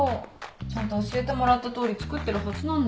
ちゃんと教えてもらったとおり作ってるはずなんだけど。